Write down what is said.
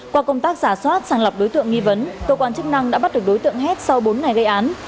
qua công tác giả soát sàng lọc đối tượng nghi vấn cơ quan chức năng đã bắt được đối tượng hết sau bốn ngày gây án